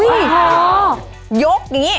ยกอย่างนี้